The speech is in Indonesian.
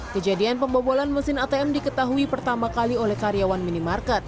kejadian pembobolan mesin atm diketahui pertama kali oleh karyawan minimarket